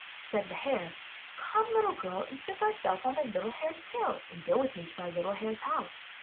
*' Said the Hare: Come, little girl, and seat thyself on my little Hare's tail and go with me to my little Hare's house."